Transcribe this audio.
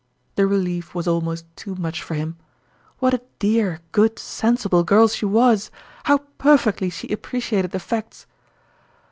The relief was almost too much for him. What a dear, good, sensible girl she was ! How perfectly she appreciated the facts